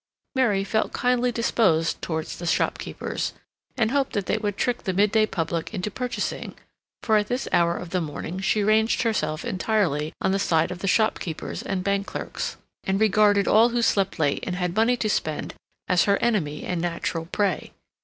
Mary felt kindly disposed towards the shopkeepers, and hoped that they would trick the midday public into purchasing, for at this hour of the morning she ranged herself entirely on the side of the shopkeepers and bank clerks, and regarded all who slept late and had money to spend as her enemy and natural prey.